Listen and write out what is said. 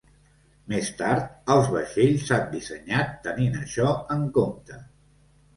Més tard, els vaixells s'han dissenyat tenint això en compte.